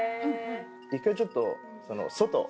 一回ちょっと。